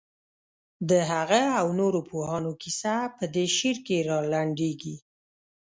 د هغه او نورو پوهانو کیسه په دې شعر کې رالنډېږي.